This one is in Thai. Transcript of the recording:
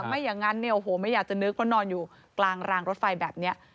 ไม่อย่างนั้นเนี่ยโอ้โหไม่อยากจะนึกเพราะนอนอยู่กลางรางรถไฟแบบนี้